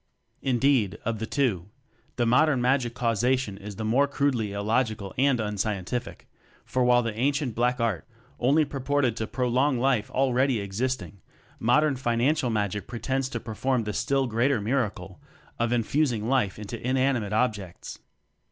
Indeed, of the two the modern magic causation is the more crudely illogical and unscientific; for while the ancient black art only purported to prolong life already ex isting, modern financial magic pre tends to perform the still greater miracle of infusing life into inanimate objects!